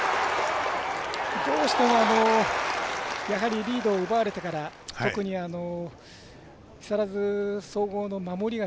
どうしてもリードを奪われてから特に木更津総合の守りが。